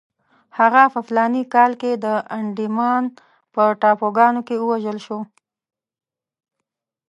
هغه په فلاني کال کې د انډیمان په ټاپوګانو کې ووژل شو.